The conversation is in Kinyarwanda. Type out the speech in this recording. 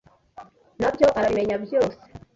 Na byo arabimenya byose.